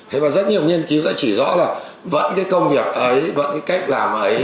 thế và rất nhiều nghiên cứu đã chỉ rõ là vẫn cái công việc ấy vẫn cái cách làm ấy